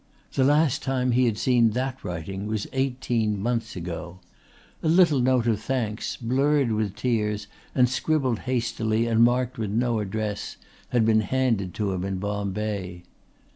The last time he had seen that writing was eighteen months ago. A little note of thanks, blurred with tears and scribbled hastily and marked with no address, had been handed to him in Bombay.